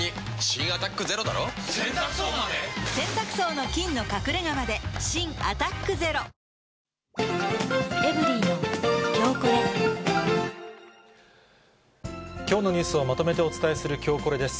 新「アタックＺＥＲＯ」きょうのニュースをまとめてお伝えするきょうコレです。